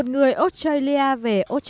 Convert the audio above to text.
một người australia về australia